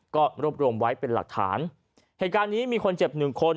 ก็รวบรวมไว้เป็นหลักฐานเหตุการณ์นี้มีคนเจ็บหนึ่งคน